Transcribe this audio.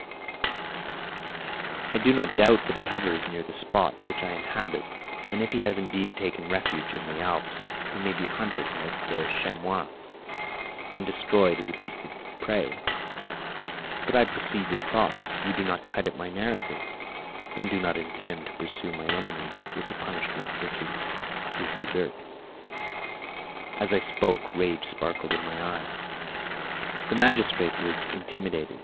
"I do not doubt that he hovers near the spot which I inhabit, and if he has indeed taken refuge in the Alps, he may be hunted like the chamois and destroyed as a beast of prey. But I perceive your thoughts; you do not credit my narrative and do not intend to pursue my enemy with the punishment which is his desert." As I spoke, rage sparkled in my eyes; the magistrate was intimidated.